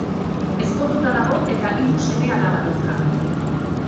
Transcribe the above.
Ezkonduta dago eta hiru seme-alaba dauzka.